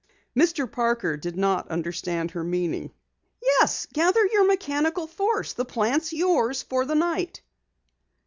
Mr. Parker did not understand her meaning. "Yes, gather your mechanical force. The plant's yours for the night."